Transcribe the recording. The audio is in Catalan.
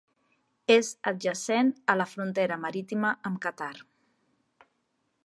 És adjacent a la frontera marítima amb Qatar.